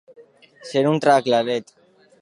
Ser un tracalet.